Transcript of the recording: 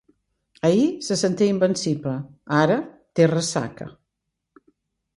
Ahir se sentia invencible; ara té ressaca.